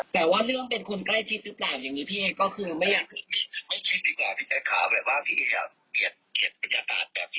แต่ว่าเรื่องเป็นคนใกล้ชิดหรือแบบนี้พี่เอ๊ก็คือ